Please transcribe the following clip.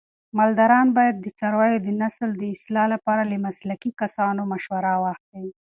مالداران باید د څارویو د نسل د اصلاح لپاره له مسلکي کسانو مشوره واخلي.